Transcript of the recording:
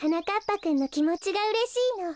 ぱくんのきもちがうれしいの。